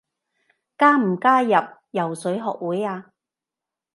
加唔加入游水學會啊？